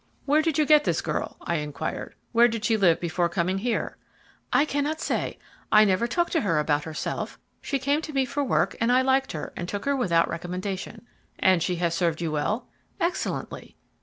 "Where did you get this girl?" I inquired. "Where did she live before coming here?" "I cannot say, I never asked her to talk about herself. She came to me for work and I liked her and took her without recommendation." "And she has served you well?" "Excellently."